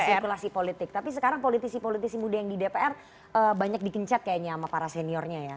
spekulasi politik tapi sekarang politisi politisi muda yang di dpr banyak dikencet kayaknya sama para seniornya ya